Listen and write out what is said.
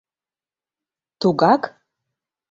Тугак...